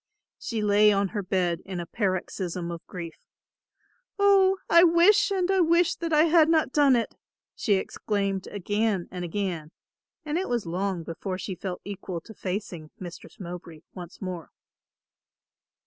She lay on her bed in a paroxysm of grief, "Oh, I wish and I wish that I had not done it," she exclaimed again and again, and it was long before she felt equal to facing Mistress Mowbray once more.